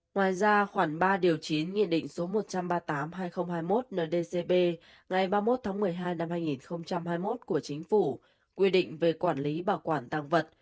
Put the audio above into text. ngoài ra khoảng ba điều chín nghị định số một trăm ba mươi tám hai nghìn hai mươi một ndcb ngày ba mươi một tháng một mươi hai năm hai nghìn hai mươi một của chính phủ quy định về quản lý bảo quản tàng vật